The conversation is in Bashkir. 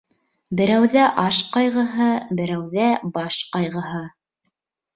Берәүҙә аш ҡайғыһы, берәүҙә баш ҡайғыһы.